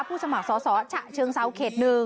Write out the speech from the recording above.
สมัครสอสอฉะเชิงเซาเขต๑